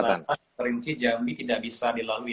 terinci jambi tidak bisa dilalui